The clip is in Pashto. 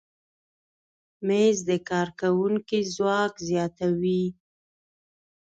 مېز د کارکوونکي ځواک زیاتوي.